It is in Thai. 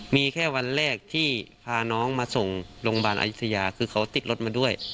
มีแค่วันแรกที่พาน้องมาส่งโรงพยาบาลอายุทยาคือเขาติดรถมาด้วย